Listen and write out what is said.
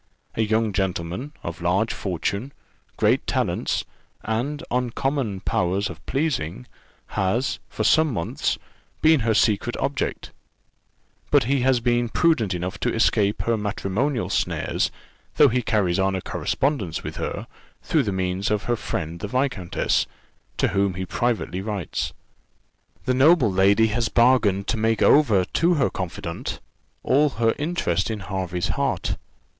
A young gentleman, of large fortune, great talents, and uncommon powers of pleasing, has, for some months, been her secret object; but he has been prudent enough to escape her matrimonial snares, though he carries on a correspondence with her, through the means of her friend the viscountess, to whom he privately writes. The noble lady has bargained to make over to her confidante all her interest in Hervey's heart.